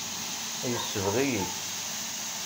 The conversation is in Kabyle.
Yesbeɣ-iyi-tt.